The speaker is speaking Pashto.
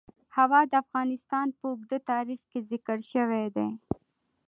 هوا د افغانستان په اوږده تاریخ کې ذکر شوی دی.